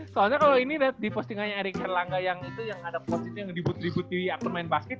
soalnya kalau ini di postingannya erick herlangga yang ada post yang dibutuh butuhi aktor main basket